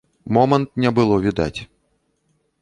Момант не было відаць.